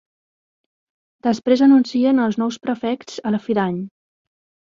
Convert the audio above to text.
Després anuncien als nous Prefects a la fi d'any.